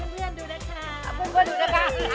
เพื่อนดูนะคะ